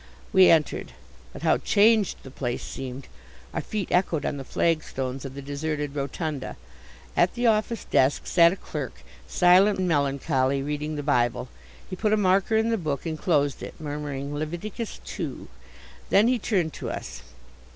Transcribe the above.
We entered. But how changed the place seemed. Our feet echoed on the flagstones of the deserted rotunda. At the office desk sat a clerk, silent and melancholy, reading the Bible. He put a marker in the book and closed it, murmuring "Leviticus Two." Then he turned to us.